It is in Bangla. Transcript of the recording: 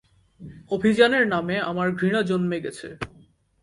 অভিযানের নামে আমার ঘৃণা জন্মে গেছে।